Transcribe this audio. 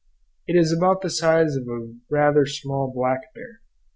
It is about the size of a rather small black bear.